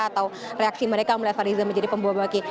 atau reaksi mereka melihat fariza menjadi pembawa baki